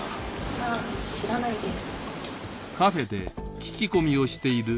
さぁ知らないです。